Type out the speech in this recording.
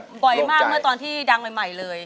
บ่อยมากเมื่อตอนที่ดังใหม่เลย